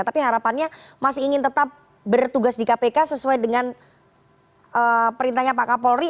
tapi harapannya masih ingin tetap bertugas di kpk sesuai dengan perintahnya pak kapolri